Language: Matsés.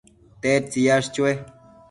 ¿tedtsi yash chue